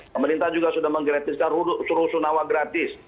pemerintah juga sudah menggratiskan suruh sunawa gratis